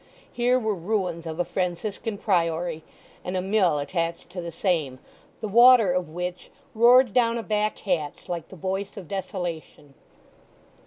Here were ruins of a Franciscan priory, and a mill attached to the same, the water of which roared down a back hatch like the voice of desolation.